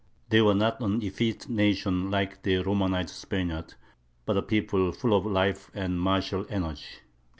They were not an effete nation like the Romanized Spaniards; but a people full of life and martial energy.